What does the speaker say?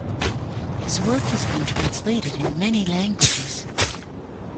His work has been translated in many languages.